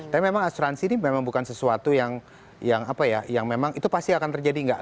tapi memang asuransi ini memang bukan sesuatu yang apa ya yang memang itu pasti akan terjadi enggak